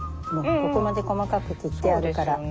もうここまで細かく切ってあるから。